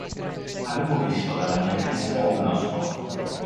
Avevo visto dalla mia finestra un rospo.